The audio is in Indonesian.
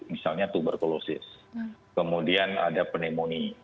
misalnya tuberkulosis kemudian ada pneumonia